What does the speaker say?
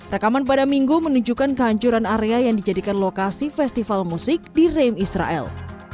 rekaman pada minggu menunjukkan kehancuran area yang dijadikan lokasi festival musik di raim israel